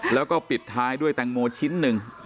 แล้วก็ปิดท้ายด้วยแตงโมชิ้นหนึ่ง